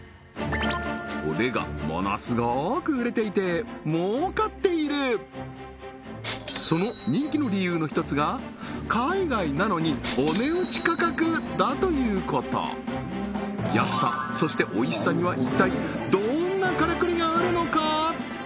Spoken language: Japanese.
これがものすごーく売れていて儲かっているその人気の理由の一つが海外なのにお値打ち価格だということ安さそしておいしさには一体どんなカラクリがあるのか？